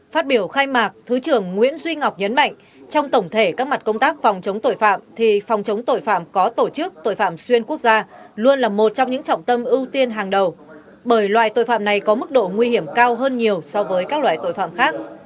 phát biểu khai mạc thứ trưởng nguyễn duy ngọc nhấn mạnh trong tổng thể các mặt công tác phòng chống tội phạm thì phòng chống tội phạm có tổ chức tội phạm xuyên quốc gia luôn là một trong những trọng tâm ưu tiên hàng đầu bởi loại tội phạm này có mức độ nguy hiểm cao hơn nhiều so với các loại tội phạm khác